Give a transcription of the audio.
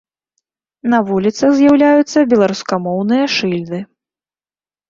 На вуліцах з'яўляюцца беларускамоўныя шыльды.